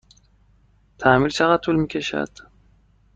تعمیر چقدر طول می کشد؟